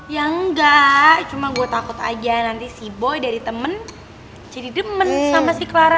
ya enggak cuma gue takut aja nanti si boy dari temen jadi demen sama si clara